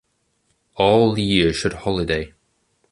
All year should holiday.